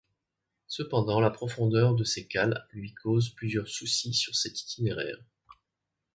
Cependant, la profondeur de ses cales lui cause plusieurs soucis sur cet itinéraire.